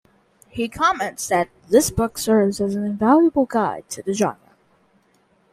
He comments that "this book serves as an invaluable guide to the genre".